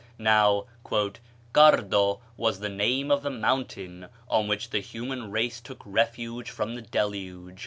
Now "Cardo was the name of the mountain on which the human race took refuge from the Deluge...